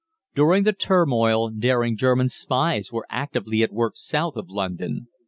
During the turmoil daring German spies were actively at work south of London.